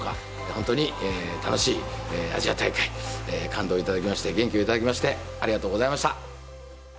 本当に楽しいアジア大会感動いただきまして、元気をいただきましてありがとうございました。